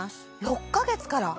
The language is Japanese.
６か月から？